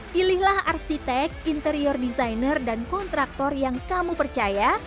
pilihlah arsitek interior designer dan kontraktor yang kamu percaya